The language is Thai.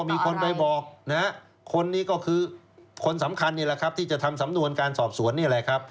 มีคนไปบอกนะฮะคนนี้ก็คือคนสำคัญนี่แหละครับที่จะทำสำนวนการสอบสวนนี่แหละครับ